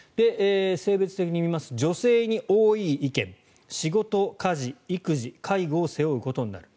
性別別に見ますと女性に多い意見仕事、家事、育児、介護を背負うことになる。